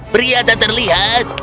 pria tak terlihat